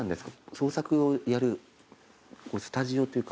創作をやるスタジオというか。